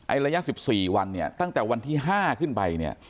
ระยะ๑๔วันเนี่ยตั้งแต่วันที่๕ขึ้นไปเนี่ย